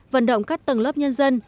vận động các tầng lớp nhân dân